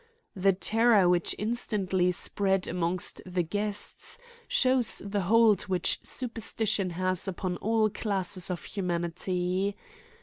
The terror which instantly spread amongst the guests shows the hold which superstition has upon all classes of humanity.